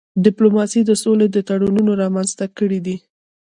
ډيپلوماسي د سولې تړونونه رامنځته کړي دي.